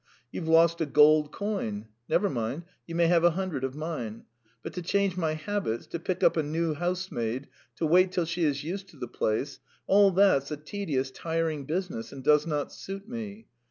You've lost a gold coin: never mind you may have a hundred of mine; but to change my habits, to pick up a new housemaid, to wait till she is used to the place all that's a tedious, tiring business and does not suit me.